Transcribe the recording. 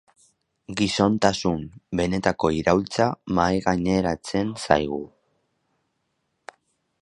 Gizontasun benetako iraultza mahai gaineratzen zaigu.